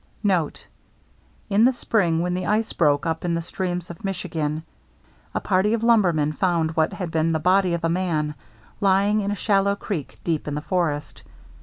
[Note :— In the spring, when the ice broke up in the streams of Michigan, a party of lumbermen found what had been the body of a man lymg in a shallow creek, deep in the forest.